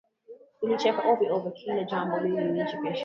Nilicheka ovyoovyo Kila jambo lilinichekesha